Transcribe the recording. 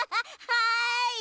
はい。